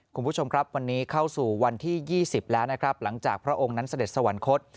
คุณผู้ชมครับวันนี้เข้าสู่วันที่๒๐แล้วนะครับหลังจากพระองค์นั้นเสด็จสวรรคต